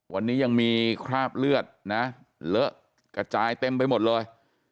วันนี้ยังมีคราบเลือดนะเลอะกระจายเต็มไปหมดเลย